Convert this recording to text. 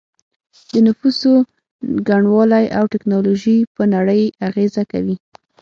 د نفوسو ګڼوالی او ټیکنالوژي په نړۍ اغیزه کوي